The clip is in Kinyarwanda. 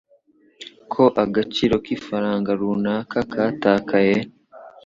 ko agaciro k'ifaranga runaka katakaye